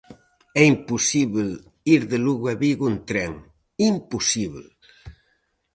É imposíbel ir de Lugo a Vigo en tren, ¡imposíbel!